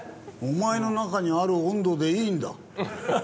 「お前の中にある温度でいいんだ」。